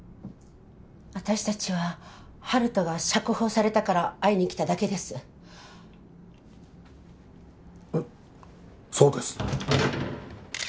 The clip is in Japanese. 私達は温人が釈放されたから会いに来ただけですそうです